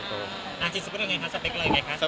สเปคอะไรไงครับ